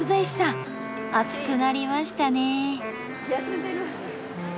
暑くなりましたね。